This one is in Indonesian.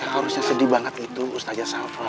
harusnya sedih banget gitu ustazah shafa